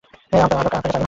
আপনার কাছে আগুন হবে?